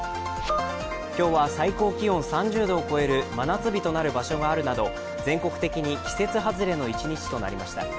今日は最高気温３０度を超える真夏日を超える場所があるなど、全国的に季節外れの一日となりました。